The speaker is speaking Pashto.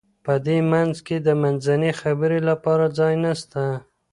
په دې منځ کي د منځنۍ خبري لپاره ځای نسته.